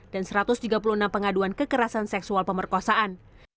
dan satu ratus tiga puluh enam pengaduan kekerasan seksual pemerkosaan